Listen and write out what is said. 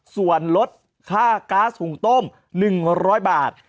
ส่วนลดค่าก๊าซหุงต้ม๑๐๐บาท